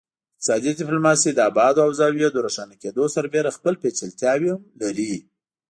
اقتصادي ډیپلوماسي د ابعادو او زاویو د روښانه کیدو سربیره خپل پیچلتیاوې هم لري